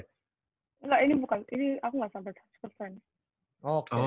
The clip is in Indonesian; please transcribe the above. engga ini aku gak sampai seratus